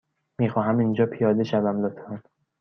می خواهم اینجا پیاده شوم، لطفا.